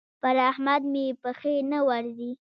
پر احمد مې پښې نه ورځي.